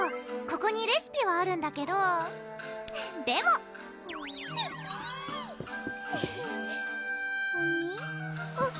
ここにレシピはあるんだけどでもピピーほにっ